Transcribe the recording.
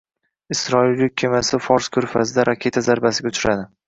Isroil yuk kemasi Fors ko‘rfazida raketa zarbasiga uchradi